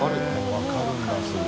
分かるんだすぐ。